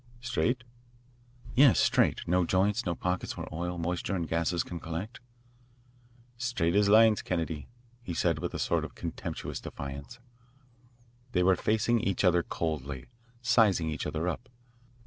"Straight? "Yes, straight no joints, no pockets where oil, moisture, and gases can collect." "Straight as lines, Kennedy," he said with a sort of contemptuous defiance. They were facing each other coldly, sizing each other up.